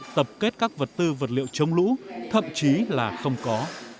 tập kết các vật tư vật liệu chống lũ thậm chí là không có